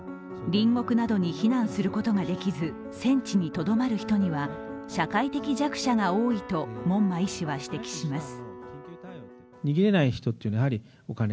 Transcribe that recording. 隣国などに避難することができず、戦地にとどまる人には社会的弱者が多いと門馬医師は指摘します。